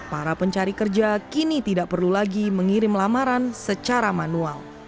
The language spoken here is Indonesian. para pencari kerja kini tidak perlu lagi mengirim lamaran secara manual